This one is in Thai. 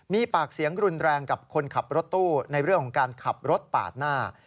มีปากเสียงรุนแรงกับคนขับรถตู้ในเรื่องของการขับรถปาดหน้า